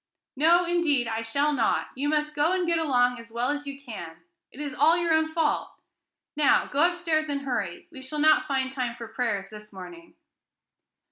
"No, indeed, I shall not. You must go and get along as well as you can. It is all your own fault. Now, go upstairs and hurry. We shall not find time for prayers this morning."